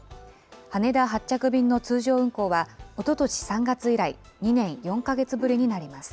羽田発着便の通常運航はおととし３月以来、２年４か月ぶりになります。